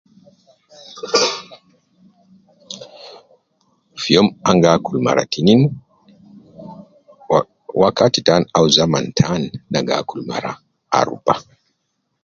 Fi youm ana gi akul mara tinin, wakati tan au zaman tan na gi akul mara aruba